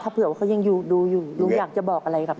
ถ้าเผื่อว่าเขายังอยู่ดูอยู่อยากจะบอกอะไรกับเขา